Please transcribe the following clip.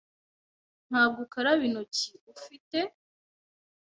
Ntabwo ukaraba intoki, ufite?